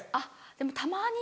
でもたまに。